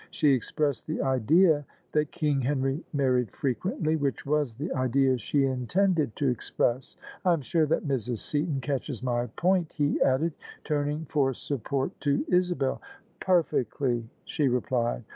She expressed the idea that King Henry married frequently; which was the idea she intended to express. I am sure that Mrs. Seaton catches my point," he added, turning for support to Isabel. " Perfectly," she replied.